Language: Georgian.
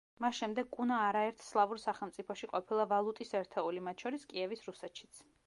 მას შემდეგ კუნა არაერთ სლავურ სახელმწიფოში ყოფილა ვალუტის ერთეული, მათ შორის კიევის რუსეთშიც.